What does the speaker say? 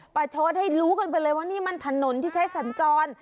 ประชดให้รู้กันไปเลยว่านี่มันถนนที่ใช้สัญจร